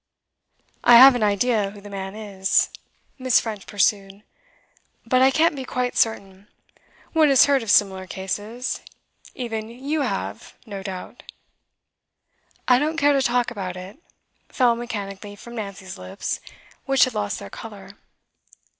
'I have an idea who the man is,' Miss. French pursued; 'but I can't be quite certain. One has heard of similar cases. Even you have, no doubt?' 'I don't care to talk about it,' fell mechanically from Nancy's lips, which had lost their colour.